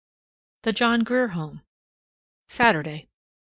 THE JOHN GRIER HOME, Saturday.